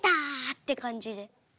って感じで。